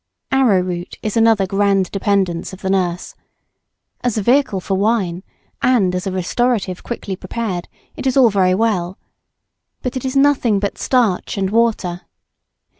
Arrowroot is another grand dependence of the nurse. As a vehicle for wine, and as a restorative quickly prepared, it is all very well. But it is nothing but starch and water.